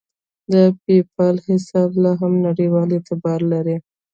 د پیپال حساب لاهم نړیوال اعتبار لري.